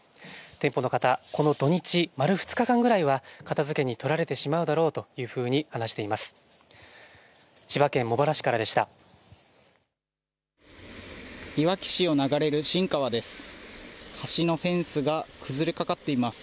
店舗の方、この土日、丸２日間ぐらいは片づけに取られてしまうだろうというふうに話しています。